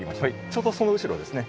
ちょうどその後ろですね。